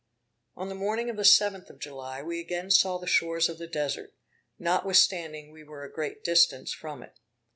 On the morning of the 7th of July, we again saw the shores of the Desert, notwithstanding we were a great distance from it.